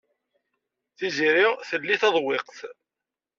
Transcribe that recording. Tiziri telli taḍwiqt.